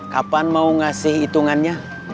kapan mau ngasih hitungannya